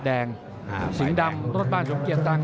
แดงสิงห์ดำรถบ้านสมเกียจตัง